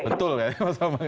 betul ya mas amang ini